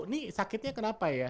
ini sakitnya kenapa ya